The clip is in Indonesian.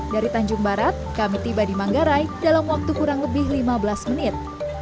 dari tanjung barat kami tiba di manggarai dalam waktu kurang lebih lima belas menit